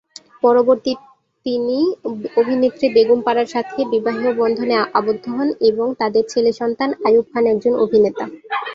পরবর্তী তিনি অভিনেত্রী বেগম পারার সাথে বিবাহ বন্ধনে আবদ্ধ হন এবং তাদের ছেলে সন্তান আইয়ুব খান একজন অভিনেতা।